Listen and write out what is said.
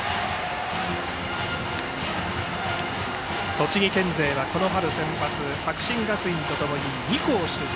栃木県勢は、この春センバツは作新学院とともに２校出場。